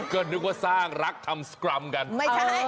ก็นึกว่าสร้างรักทำสกรรมกันไม่ใช่